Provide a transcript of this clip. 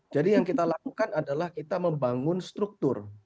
jadi yang kita lakukan adalah kita membangun struktur